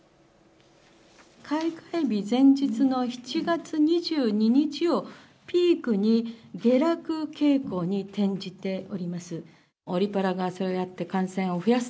開会日前日の７月２２日をピークに、下落傾向に転じております。